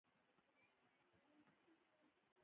الله د هرو سلو کلونو سر کې رالېږي.